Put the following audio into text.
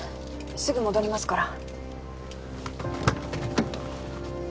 すぐ戻りますから。